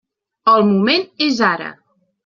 El moment és ara.